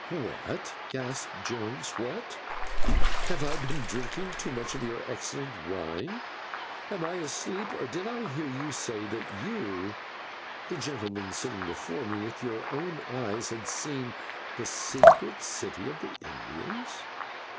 "What!" gasped Jones, "what! Have I been drinking too much of your excellent wine? Am I asleep, or did I hear you say that you, the gentleman sitting before me, with your own eyes had seen the secret city of the Indians?"